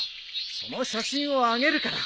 その写真をあげるから。